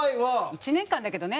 １年間だけどね